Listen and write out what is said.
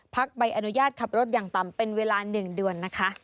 ใบอนุญาตขับรถอย่างต่ำเป็นเวลา๑เดือนนะคะ